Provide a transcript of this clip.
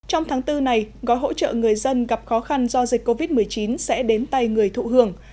trong tháng bốn này gói hỗ trợ người dân gặp khó khăn do dịch covid một mươi chín sẽ đến tay người thụ hưởng